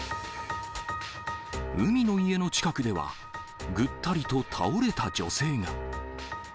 海の家の近くでは、ぐったりと倒れた女性が。